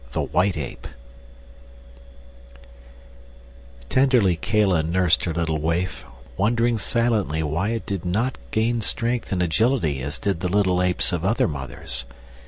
The White Ape Tenderly Kala nursed her little waif, wondering silently why it did not gain strength and agility as did the little apes of other mothers.